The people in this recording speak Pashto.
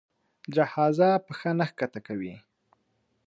جهازه پښه نه ښکته کوي.